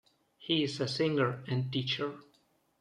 He is a singer and teacher.